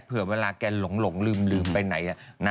เผื่อเวลาแกหลงลืมไปไหน